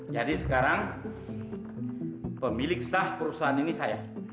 jadi sekarang pemilik sah perusahaan ini saya